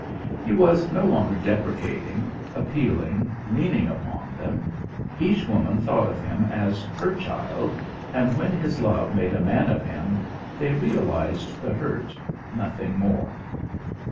He was no longer deprecating, appealing, leaning upon them: each woman thought of him as "her child," and when his love made a man of him, they realised the hurt, nothing more.